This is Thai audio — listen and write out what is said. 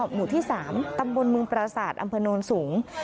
หมู่ที่๓ตำบลมุมประศาจอำเภอโนนสูง